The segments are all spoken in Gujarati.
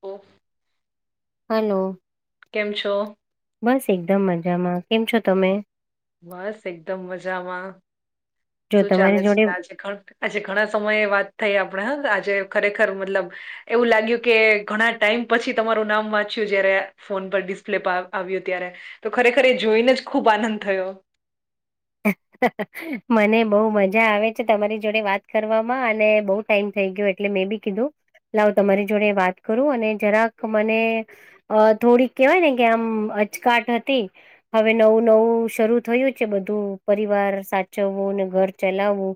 ઓફ. હલો. કેમ છો? બસ એકદમ મજામાં. કેમ છો તમે? બસ એકદમ મજામાં. જો શું ચાલે તમારી છે જોડે આજે ઘ આજે ઘણા સમયે વાત થઈ આપણે હ આજે ખરેખર મતલબ એવું લાગ્યું કે ઘણા ટાઈમ પછી તમારું નામ વાંચ્યું જયારે ફોન પર ડિસ્પ્લે પા આવ્યો ત્યારે તો ખરેખર એ જોઈને જ ખુબ આનંદ થયો. મને બહુ મજા આવે છે તમારી જોડે વાત કરવામાં અને બહુ ટાઈમ થઈ ગયો એટલે મે બી કીધું લાવ તમારી જોડે વાત કરું અને જરાક મને અ થોડીક કેહેવાય ને કે આમ અચકાટ હતી. હવે નવું નવું શરૂ થયું છે બધું પરિવાર સાચવવું ને ઘર ચલાવવું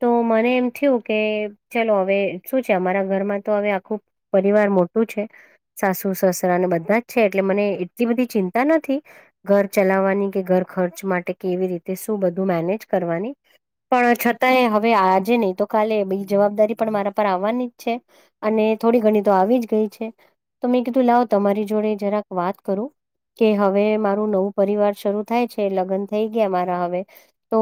તો મને એમ થ્યું કે ચલો હવે શું છે અમારા ઘરમાં તો હવે આખું પરિવાર મોટું છે. સાસુ સસુરા અને બધા જ છે એટલે મને એટલી બધી ચિંતા નથી. ઘર ચલાવવાની કે ઘર ખર્ચ માટે કેવી રીતે શું બધું મેનેજ કરવાની પણ છતાંય હવે આજે નહી તો કાલે બી જવાબદારી પણ મારા પર આવવાની જ છે. અને થોડી ઘણી તો આવી જ ગઈ છે તો મેં કીધું લાવો તમારી જોડે જરાક વાત કરું. કે હવે મારું નવું પરિવાર શરૂ થાય છે લગ્ન થઈ ગયા મારે. તો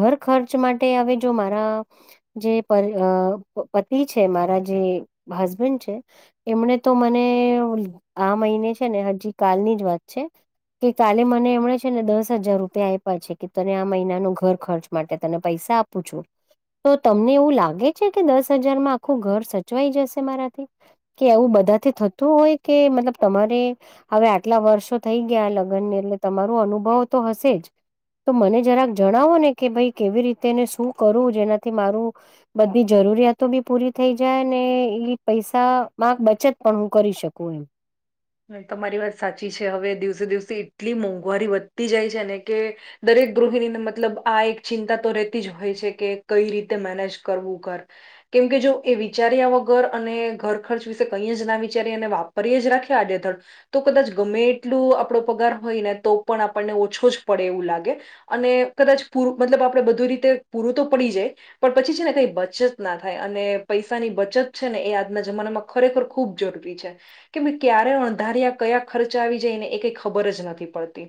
ઘર ખર્ચ માટે હવે જો મારા જે પતિ છે મારા જે હસબેન્ડ છે. એમને તો મને આ મહિને છે ને હજી કાલની જ વાત છે. કે કાલે મને એમણે છે ને દસ હજાર રૂપર તે આપયા છે કે તને આ મહિના નો ઘર ખર્ચ માટે તને પૈસા આપું છું. તો તમને એવું લાગે છે કે દસ હજારમાં આખું ઘર સચવાઈ જશે મારાથી. કે એવું બધાથી થતું હોય કે મતલબ તમારે. હવે આટલા વર્ષો થઈ ગયા લગ્નને એટલે તમારો અનુભવ તો હશે જ. તો મને જરાક જણાવો ને કે ભાઈ કેવી રીતેને શું કરવું જેનાથી મારું બધી જરૂરિયાતો બી પૂરી થઈ જાય ને એ પૈસામાંક બચત પણ હું કરી શકું એમ. તમારી વાત સાચી છે હવે દિવસે દિવસે એટલી મોંઘવારી વધતી જાય છેને કે દરેક ગૃહિણીને મતલબ આ એક ચિંતા તો રહેતી જ હોય છે કે કઈ રીતે મેનેજ કરવું ઘર કેમ કે જો એ વિચાર્યા વગર અને ઘર ખર્ચ વિશે કઈ જ ના વિચારીયા એને વાપરીએ જ રાખી તાજેતર તો કદાચ ગમે એટલું આપણો પગાર હોય નેતો પણ આપણને ઓછો જ પડે એવું લાગે, અને કદાચ પૂરું મતલબ આપણેે બધું રીતે પૂરુંતો પડી જાય, પણ પછી છે, ને કંઈ બચતના થાય અને પૈસાની બચત છે, ને એ આજના જમાનામાં ખરેખર ખૂબ જરૂરી છે, કે ભય ક્યારે અણૅધાર્યા કયા ખર્ચા આવી જાય નેએ કંઈ ખબર જ નથી પડતી,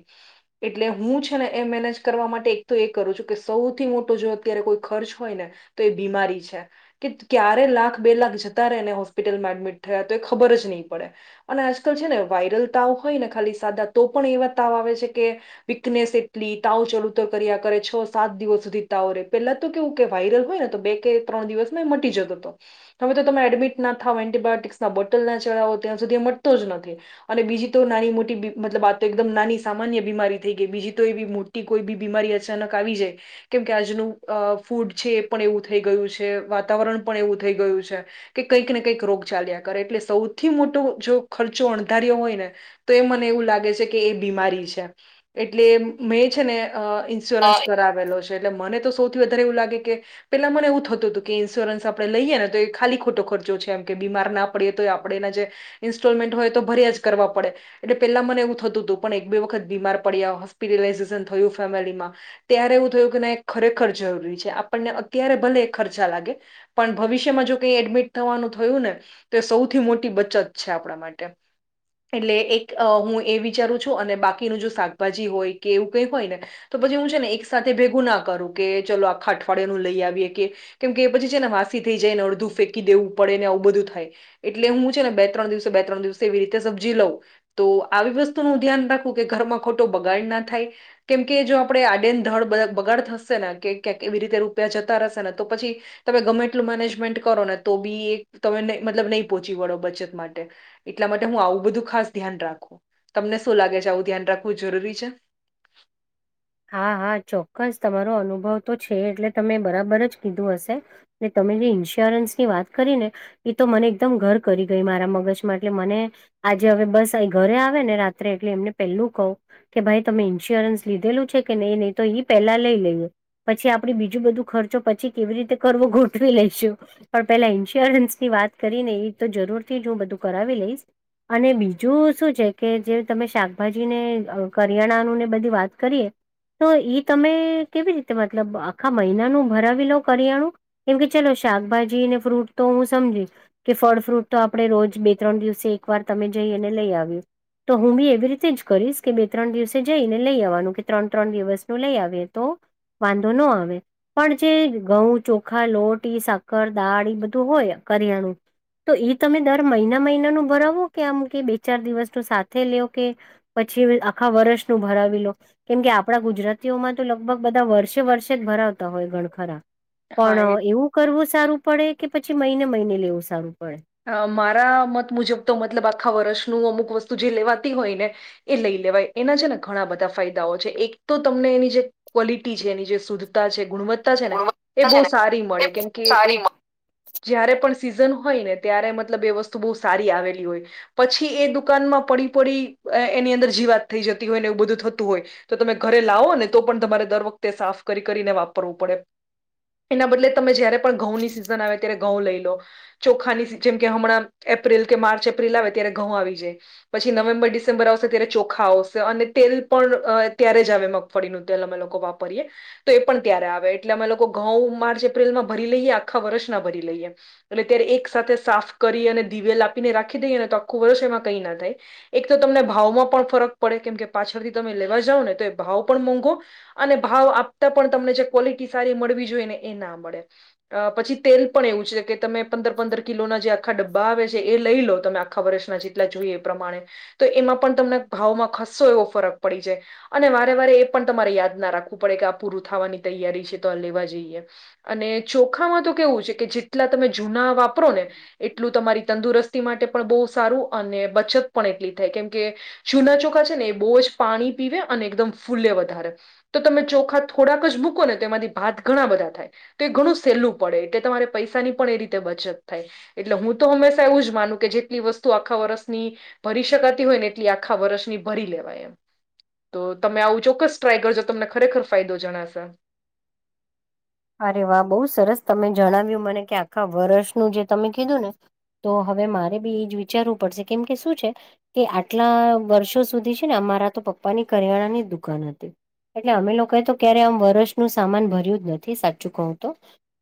એટલે હું છે, નેએ મેનેજ કરવા માટે એકતો એ કરું છું, કે સૌથી મોટો જો અત્યારે કોઈ ખર્ચ હોય ને તોએ બીમારી છે, કે ક્યારે લાખ બે લાખ જતા રહે એને હોસ્પિટલમાં એડમિટ થયા તો એ ખબર જ નહીં પડે, અને આજકાલ છે, ને વાયરલ તાવ હોય ને ખાલી સાદા તો પણ એવા તાવ આવે છે, કે વીકનેસ એટલી તાવ ચાલુ ચડી ઉતાર કર્યા કરે છે, છ- સાત દિવસ સુધી તાવ રે પેલા, તો કેવું કે વાયરલ હોય નેતો બે કે ત્રણ દિવસમાં મટી જતો. હવે તો તમે એડમિટ ના થાવ એન્ટિબાયોટી્સના બોટલ ના ચડાવો ત્યાં સુધી મટતો જ નથી, અને બીજી તો નાની મોટી મતલબ વાતો એકદમ નાની સામાન્ય બીમારી થઈ ગઈ બીજી તો એબી કોઈ ભી બીમારી અચાનક આવી જાય, કેમ કે અ આજનું ફૂડ છે, એ પણ એવું થઈ ગયું છે, વાતાવરણ પણ એવું થઈ ગયું છે, કે કંઈક ને કંઈક રોગ ચાલ્યા કરે એટલે સૌથી મોટો જો ખર્ચો અણધાર્યો હોય નેતો એ મને એવું લાગે છે, કે એ બીમારી છે. એટલે મેં છે, ને અ ઇન્સ્યોરન્સ કરાવી આવેલો છે, એટલે મને તો સૌથી વધારે એવું લાગે કે પેલા મને એવ થતું હતું કે ઇન્સ્યોરન્સ આપણે લઈએ નેતો એ ખાલી ખોટો ખર્ચો છે, એમ કે બીમાર ના પડીએ તો આપણે એનાજે ઇન્સ્ટોલમેન્ટ હોય તો ભર્યા જ કરવા પડે, એટલે પેલા મને એવું થતું હતું પણ એક- બે વખત બીમાર પડ્યા હોસ્પિટલાઝેશન થયું ફેમલીમાં, ત્યારે એવું થયું કેના ખરેખર જરૂરી છે, આપણને અત્યારે ભલે ખર્ચા લાગે. પણ ભવિષ્યમાં જો કંઈ એડમિટ થવાનું થયું નેતો એ સૌથી મોટી બચત છે, આપ આપડા માટે, એટલે એક હુંએ વિચારું છું, અને બાકીનું જો શાકભાજી હોય કે એવું કંઈ હોયને, તો પછી હું છે, ને એક સાથે ભેગું ના કરું કે ચલો આખ અઠવાડિયા નું લઈ આવીએ કે, કેમ કે પછી છેને વાસી થઈ જાય ને અડધું ફેંકી દેવું પડેને આવું બધું થાય એટલે હું છે, ને બે ત્રણ દિવસ બે ત્રણ દિવસે એવી રીતે સબજી લઉં તો આવી વસ્તુનું ધ્યાન રાખવું કે ઘરમાં ખોટો બગાડના થાય, કેમકે જો આપણે આડેન ધડ બગાડ થશેને કે ક્યાંક એવી રીતે રૂપિયા જતા રહેશે નેતો પછી તમે ગમેટલું મેનેજમેન્ટ કરો ને તો, ભી એક તમે મતલબ નહીં પહોંચી વળો, બચત માટે. એટલા માટે, હું આવું બધું ખાસ ધ્યાન રાખું, તમને શું લાગે છે, આવું ધ્યાન રાખવું જરૂરી છે? હા, હા, ચોક્કસ તમારો અનુભવતો છે, એટલે તમે બરાબર જ કીધું હશે. એટલે તમે જે ઈન્સ્યોરન્સની વાત કરીને. એતો મને એકદમ ધેર કરી ગઈ, મારા મગજમાં એટલે મને આજે હવે બસ અ ઘરે આવે ને, રાત્રે એટલે એમને પેલું કહ્યું. કે ભાઈ તમે ઇન્સ્યોરન્સ લીધેલું છે, કે નહીં, નહીં તો પેલા લઈ લઈએ. પછી આપડે બીજું બધું ખર્ચો, પછી કેવી રીતે કરવો ગોઠવી લઈશું. પણ પેલા ઈન્સ્યોરન્સની વાત કરીને, એતો જરૂરથી જહું બધું કરાવી લઈશ. અને બીજું શું છે કે, જે તમે શાકભાજીને કરિયાણાનુંને બધી વાત કરીએ. તો ઈ તમે કેવી રીતે મતલબ, આખા મહિનાનું ભરાવી લો કરિયાણું? કેમ કે, ચલો, શાકભાજી અને ફ્રૂટ તો, હું સમજી. કે ફળ ફ્રૂટ તો આપણે રોજ બે-ત્રણ દિવસે, એકવાર તમે જઈને લઈ આવ્યું. તો હું બી એવી રીતે જ કરીશ કે, બે-ત્રણ દિવસે જઈને લઈ આવવાનું કે. ત્રણ-ત્રણ દિવસ નું લઈ આવે તો, વાંધો ન આવે. પણ જે ઘઉં, ચોખા, લોટ, સાકરદાળ એ બધું હોય, કરિયાણું. તો એ તમે દર મહિના મહિનાનું ભરાવો કે, આમ કે બે-ચાર દિવસનું સાથે લઈ આવે કે? પછી આખા વર્ષનું ભરાવી લો. કેમ કે, આપણા ગુજરાતીઓમાં તો લગભગ બધા વર્ષે વર્ષે જ ભરાવતા હોય, ગણખરા. હા એ પણ એવું કરવું સારું પડે કે? પછી મહિને મહિને લેવું સારું પડે? અ મારા મત મુજબ તો, મતલબ આખા વર્ષનું અમુક વસ્તુ જે લેવાતી હોય ને. એ લઈ લેવાય એના છે ને, ઘણા બધા ફાયદાઓ છે, એક તો તમને એની જે ક્વોલિટી છે, એની જે શુદ્ધતા છે, ગુણવત્તા. ને એ ગુણવત્તા છે બહ ને સારી મળે, એ કેમ કે એ સારી જયારે પણ સીઝન હોય ને. ત્યારે મતલબ એ વસ્તુ બહુ સારી આવેલી હોય. પછી એ દુકાનમાં પડી પડી, એની અંદર જીવાત થઈ જતી હોય ને, એવું બધું થતું હોય. તો તમે ઘરે લાવો ને, તો પણ તમારે દર વખતે સાફ કરી કરીને વાપરવું પડે. એના બદલે તમે જયારે પણ ઘઉં ની સિઝન આવે ત્યારે ઘઉં લઈ લો, ચોખાની સ જેમ કે હમણાં એપ્રિલ કે માર્ચ એપ્રિલ આવે, ત્યારે ઘઉં આવી જાય. પછી નવેમ્બર-ડિસેમ્બર આવશે, ત્યારે ચોખા આવશે, અને તેલ પણ ત્યારે જ આવે. ફળીનું તેલ અમે લોકો વાપરીએ. તો એ પણ ત્યારે આવે, એટલે અમે લોકો ઘઉં માર્ચ- એપ્રિલમાં ભરી લઈએ, આખા વર્ષના ભરી લઈએ. અને ત્યારે એક સાથે સાફ કરી અને દીવેલ આપીને રાખી દઈએ ને, તો આખું વર્ષ એમાં કંઈ ના થાય. એક તો તમને ભાવમાં પણ ફરક પડે, કેમ કે પાછળથી તમે લેવા જાવ ને, તો એ ભાવ પણ મોંઘો. અને ભાવ આપતા, પણ તમને જે ક્વોલિટી સારી મળવી જોઈએ ને, એ ના મળે. અ પછી તેલ પણ એવું છે કે, તમે પંદર-પંદર કિલોના જે આખા ડબ્બા આવે છે, એ લઈ લો તમે, આખા વર્ષના જેટલા જોઈએ એ પ્રમાણે. તો એમાં પણ તમને ભાવમાં ખસો એવો ફરક પડી જાય. અને વારે વારે એ પણ તમારે યાદ ના રાખવું પડે કે, આ પૂરું થવાની તૈયારી છે, તો આ લેવા જઈએ. અને ચોખામાં તો કેવું છે કે, જેટલા તમે જૂના વાપરો ને. એટલું તમારી તંદુરસ્તી માટે પણ બહુ સારું, અને બચત પણ એટલી થાય, કેમ કે જૂના ચોખા છે ને, એ બહુ જ પાણી પીવે, અને એકદમ ફૂલે વધારે. તો તમે ચોખા થોડાક જ મૂકો ને, તો એમાંથી ભાત ઘણા બધા થાય. તો એ ઘણું સહેલું પડે, એટલે તમારે પૈસાની પણ એ રીતે બચત થાય, એટલે હું તો હંમેશા એવું જ માનું કે, જેટલી વસ્તુ આખા વર્ષની ભરી શકાતી હોય ને, એટલી આખા વર્ષની ભરી લેવાય એમ. તો તમે આવું ચોક્કસ ટ્રાય કરજો, તમને ખરેખર ફાયદો જણાશે. અરે વાહ બહુ સરસ. તમે જણાવ્યું મને કે આખા વર્ષનું જે તમે કીધું ને. તો હવે મારે બી એ જ વિચારવું પડશે, કેમ કે શું છે? કે આટલા વર્ષો સુધી છે ને, અમારા તો પપ્પાની કરિયાણાની દુકાન હતી. એટલે અમે લોકોએ તો ક્યારે આમ વરષનું સામાન ભર્યું જ નથી સાચું કહું તો.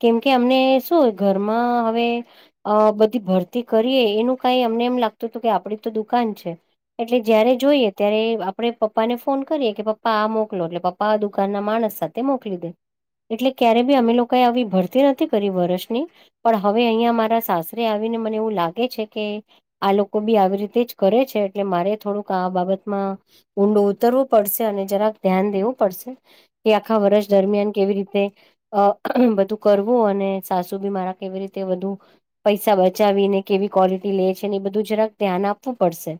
કેમ કે અમને શું હોય ઘરમાં હવે અ બધી ભરતી કરીએ એનું કઈ અમને એમ લાગતું હતું કે આપડી તો દુકાન છે. એટલે જયારે જોઈએ ત્યારે આપડે પપ્પા ને ફોન કરીએ કે પપ્પા આ મોકલો એટલે પપ્પા પા દુકાન ના માણસ સાથે મોકલી દે. એટલે ક્યારે બી અમે લોકોએ આવી ભરતી નથી કરી વર્ષની. પણ હવે અહિયાં મારા સાસરે આવીને મને એવું લાગે છે કે આ લોકો બી આવી રીતે જ કરે છે એટલે મારે થોડુંક આ બાબતમાં ઊંડો ઉતરવું પડશે અને જરાક ધ્યાન દેવું પડશે કે આખા વર્ષ દરમિયાન કેવી રીત તે આ બધું કરવું અને સાસુ બી મારા કેવી રીતે વધુ પૈસા બચાવીને કેવી ક્વોલિટી લે છે ને એ બધું જરાક ધ્યાન આપવું પડશે.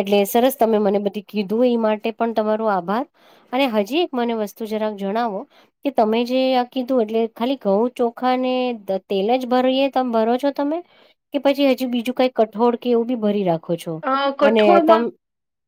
એટલે સરસ તમે મને બધી કીધું એ માટે પણ તમારો આભાર. અને હજી એક મને વસ્તુ જરાક જણાવો કે તમે જે આ કીધું એટલે ખાલી ઘઉ ચોખા ને તેલ જ ભરીએ તમે ભરો છો તમે જે કે પછી હજી બીજું કઈ કઠોર કે એવું બી ભરી રાખ અ કઠોળમાં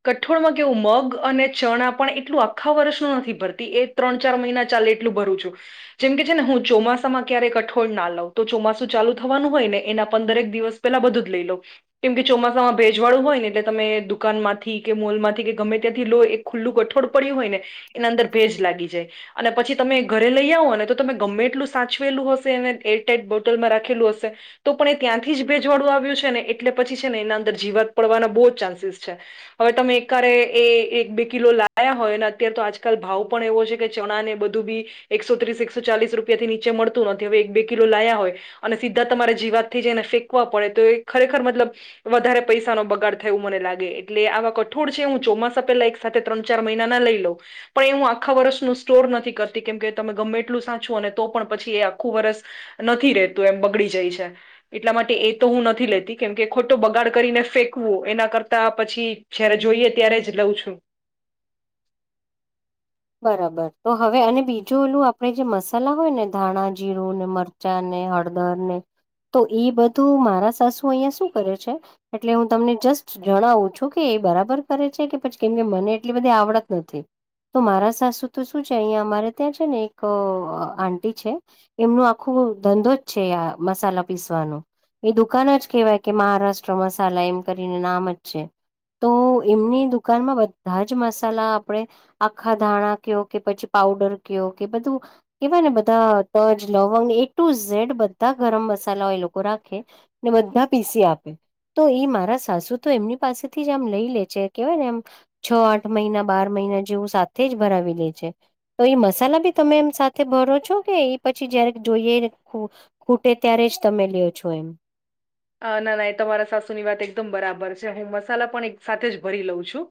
કઠોળમાં કેવું મગ અને ચણા પણ એટલું આખા વર્ષનું નથી ભરતી એ ત્રણ ચાર મહિના ચાલે એટલું ભરું છું. જેમ કે છે ને હું ચોમાસામાં ક્યારેક કઠોળ ના લઉં તો ચોમાસું ચાલુ થવાનું હોય ને એના પંદરેક દિવસ પેલા બધું જ લઈ લો કેમ કે ચોમાસામાં ભેજવાળું હોય ને એટલે તમે દુકાન માંથી કે મોલમાંથી કે ગમે ત્યાંથી લો એક ખુલ્લું કઠોળ પડ્યું હોય ને એના અંદર ભેજ લાગી જાય. અને પછી તમે ઘરે લઈ આવો ને તો તમે ગમે એટલું સાચવેલું હશે એને એ ટાઈપ બોટલમાં રાખેલું હશે તો પણ એ ત્યાંથી જ ભેજવાડું આવ્યું છે ને એટલે પછી છે ને એના અંદર જીવાત પડવાના બહુ જ ચાન્સીસ છે. હવે તમે એકારે એ એક બે કિલો લાયા હોય અને અત્યારે તો આજકાલ ભાવ પણ એવો છે. કે ચણા ને બધું બી એકસો ત્રીસ એકસો ચાલીસ રૂપિયા થી નીચે મળતું નથી હવે એક બે કિલો લાયા હોય. અને સીધા તમારે જીવાત થી જ એને ફેંકવા પડે તો એ ખરેખર મતલબ વધારે પૈસા નો બગાડ થય એવું મને લાગે એટલે આવા કઠોળ છે હું ચોમાસા પેલા એક સા ત્રણ ચાર મહિના ના લઈ લોઉ. પણ એ હું આખા વર્ષનું સ્ટોર નથી કરતી કેમ કે તમે ગમે એટલું સાચું અને તો પણ પછી એ આખું વર્ષ નથી રે તું એમ બગડી જાય છે એટલા માટે એ તો હું નથી લેતી કેમકે ખોટ તો બગાડ કરીને ફેંકવું એના કરતા પછી જયારે જોઈએ ત્યારે જ લઉં છું. બરાબર તો હવે અને બીજું એલું આપડે જે મસાલા હોય ને ધાણા જીરું ને મરચ ચા ને હળદર ને તો એ બધું મારા સાસુ અહિયાં શું કરે છે. એટલે હું તમને જસ્ટ જણાવું છો કે એ બરાબર કરે છે કે પછી કેમ કે મને એટલી બધી આવડત નથી. તો મારા સાસુ તો શું છે અહિયા અમારે ત્યાં છે ને એક આટી છે. એમનું આખું ધંધો જ છે આ મસાલા પીસવાનો એ દુકાન જ કેહેવાય કે મહારાષ્ટ્ર મસાલા એમ કરીને નામ જ છે. તો એમની દુકાનમાં બધા જ મસાલા આપણેે આખા ધાણા કયો કે પછી પઉડર કયો કે બધું કેવાય ને બધા તજ લવંગ એ ટુ ઝેડ બધા ગરમ મસાલા એ લોકો રાખે. ને બધા પીસી આપે. તો એ મારા સાસુ તો એમની પાસેથી જ આમ લઈ લે છે કેવાય ને આમ છ આઠ મહિના બાર મહિના જેવું સાથે જ ભરાવી લે છે. તો એ મસાલા બી તમે એમ સાથે ભરો છો કે એ પછી જયારે જોઈએ [unintelligible] કૂટે ત્યારે જ તમે લો છો એમ. ના ના એ તમારા સાસુ ની વાત એકદમ બરાબર છે હું મસાલા પણ એક સાથે જ ભરી લઉં છું.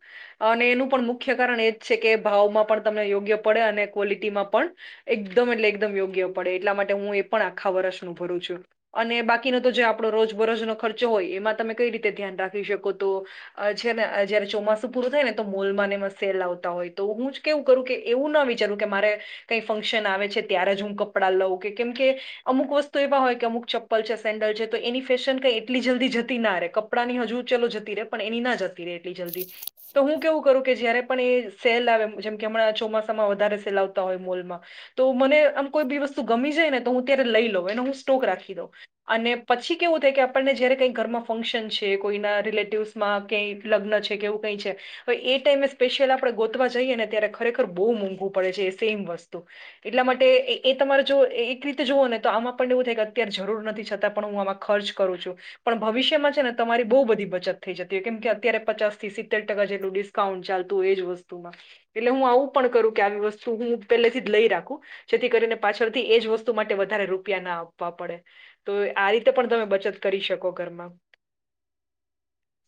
અને એનું પણ મુખ્ય કારણ એજ છે કે ભાવમાં પણ તમને યોગ્ય પડે અને ક્વોલિટીમાં પણ એકદમ એટલે એકદમ યોગ્ય પડે એટલા માટે હું એ પણ આખા વર્ષનું ભરું છું. અને બાકીનો તો જે આપણો રોજબરોજનો ખર્ચો હોય એમાં તમે કઈ રીતે ધ્યાન રાખી શકો તો- - અ છે ને જયારે ચોમાસું પૂરું થાય ને તો મોલમાંને એમાં સેલ આવતા હોય તો હું જ- - કેવું કરું કે એવું ના વિચારું કે મારે કઈ ફંક્શન આવે છે ત્યારે જ હું કપડાં લઉં કે કેમ કે- - અમુક વસ્તુ એવા હોય કે અમુક ચપ્પલ છે સેન્ડલ છે- - તો એની ફેશન કઈ એટલી જલ્દી જતી ના રે કપડાંની હજુ ચાલો જતી રહે પણ એની ના જતી રહે એટલી જલ્દી- - તો હું કેવું કરું કે જયારે પણ એ સેલ આવે જેમ કે હમણાં ચોમાસામાં વધારે સેલ આવતા હોય મોલમાં- - તો મને આમ કોઈ બી વસ્તુ ગમી જાય ને તો હું ત્યારે લઈ લઉં એનો હું સ્ટોક રાખી દઉં અને- - પછી કેવું થાય કે આપણને જ્યારે કંઈ ઘરમાં ફંક્શન છે કોઈના રિલેટિવ્સમાં કંઈ લગ્ન છે કેવું કંઈ છે. હવે એ ટાઈમે સ્પેશિયલ આપણે ગોતવા જઈએ ને ત્યારે ખરેખર બહુ મોંઘું પડે છે એ સેમ વસ્તુ- - એટલા માટે એ તમારે જો એક રીતે જુઓ ને તો આમાં આપણને એવું થાય કે અત્યારે જરૂર નથી છતાં- - પણ હું આમાં ખર્ચ કરું છું. પણ ભવિષ્યમાં છે ને તમારી બહુ બધી બચત થઈ જતી હો કેમ કે અત્યારે પચાસ થી સિત્તેર ટકા જેટલું ડી- - કાઉન્ટ ચાલતું એજ વસ્તુમાં એટલે હું આવું પણ કરું કે આવી વસ્તુ હું પેલેથી જ લઈ રાખું. જેથી કરીને પાછળથી એજ વસ્તુ માટે વધારે રૂપિયા ના આપવા પડે તો- - આ રીતે પણ તમે બચત કરી શકો ઘરમાં.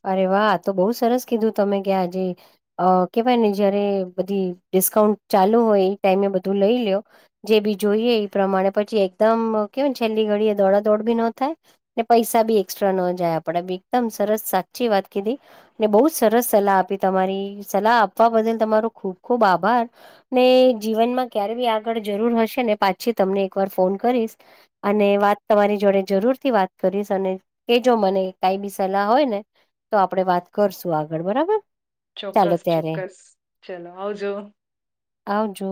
અરે વાહ તો બઉુ સરસ કીધું તમે ક્યાં આજે- - અ કેવાય ને જયારે બધી ડિસ્કાઉન્ટ ચાલુ હોય એ ટાઈમે બધું લઈ લ્યો- - જે બી જોઈએ એ પ્રમાણે પછી એકદમ કેવાય છેલ્લી ઘડી એ દોડાદોડ બી ન થાય. ને પૈસા બી એક્સ્ટ્રા ન જાય આપડે એકદમ સરસ સાચી વાત કીધી ને બહુ જ સરસ સલાહ આપી તમારી સલાહ આપવા બદલ તમારો ખૂબ ખુબ આભાર. ને જીવનમાં ક્યારે બી આગળ જરૂર હશે ને પાછી તમને એક વાર ફોન કરીશ. અને વાત તમારી જોડે જરૂર થી વાત કરીશ અને કે જો મને કાઈ બી સલાહ હોય ને. તો આપડે વાત કરશું આગળ બરાબર ચાલો ચોક્કસ ત્યારે ચોક્કસ ચલો આવજો. આવજો.